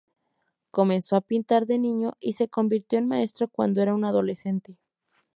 Comenzó a pintar de niño y se convirtió en maestro cuando era un adolescente.